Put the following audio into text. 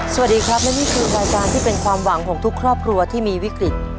สวัสดีครับและนี่คือรายการที่เป็นความหวังของทุกครอบครัวที่มีวิกฤต